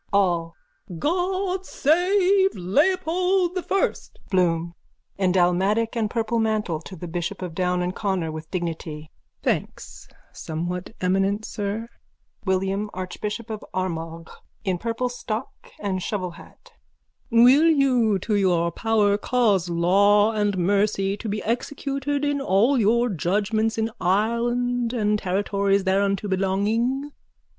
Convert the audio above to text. ALL: God save Leopold the First! BLOOM: (In dalmatic and purple mantle, to the bishop of Down and Connor, with dignity.) Thanks, somewhat eminent sir. WILLIAM, ARCHBISHOP OF ARMAGH: (In purple stock and shovel hat.) Will you to your power cause law and mercy to be executed in all your judgments in Ireland and territories thereunto belonging?